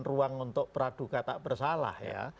ruang untuk beradu kata bersalah